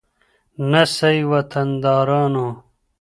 نه سئ وطندارانو